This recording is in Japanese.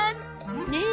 ねえ？